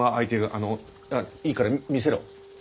あのいいから見せろ。